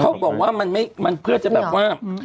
เขาบอกว่ามันเพื่อจะแบบว่า